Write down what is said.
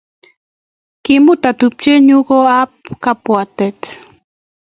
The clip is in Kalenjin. Kimuta tupchenyu kot ab kapbwatet